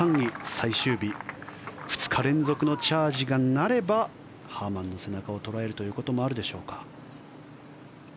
最終日２日連続のチャージがなればハーマンの背中を捉えるということもあるでしょうか。